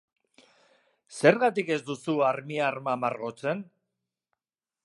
Zergatik ez duzu armiarma margotzen?